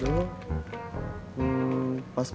ini udah enak